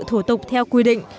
thủ tục theo quy định